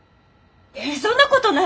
そんなことない！